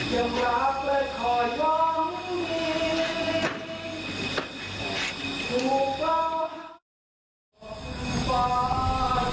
ยังรักและคอยว่ามีถูกเบาทั้ง